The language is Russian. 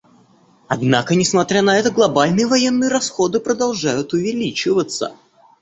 Однако несмотря на это, глобальные военные расходы продолжают увеличиваться.